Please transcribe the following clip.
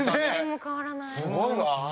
すごいわ。